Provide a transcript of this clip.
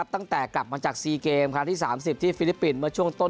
ตั้งแต่กลับมาจากที่สามสิบที่ฟิลิปปินท์